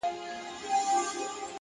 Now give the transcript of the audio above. هره ورځ د پرمختګ امکان لري،